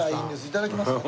いただきます。